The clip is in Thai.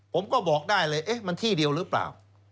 ผมก็บอกได้เลยเอ๊ะมันที่เดียวหรือเปล่า